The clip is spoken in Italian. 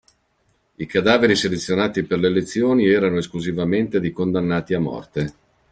I cadaveri selezionati per le lezioni erano esclusivamente di condannati a morte.